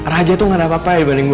raja tuh gak ada apa apa dibanding gue